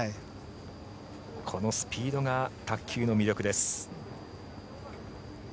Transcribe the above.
このスピードが卓球の魅力です。